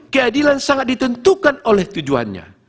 keadilan sangat ditentukan oleh tujuannya